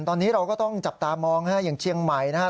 ตอนนี้เราก็ต้องจับตามองฮะอย่างเชียงใหม่นะครับ